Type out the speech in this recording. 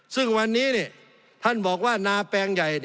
ซึ่งวันนี้ท่านบอกว่านาแปลงใหญ่